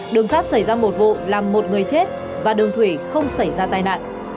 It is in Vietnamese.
đường sắt xảy ra một vụ làm một người chết và đường thủy không xảy ra tai nạn